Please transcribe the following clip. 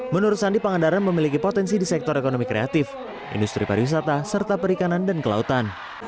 menurut sandi pangandaran memiliki potensi di sektor ekonomi kreatif industri pariwisata serta perikanan dan kelautan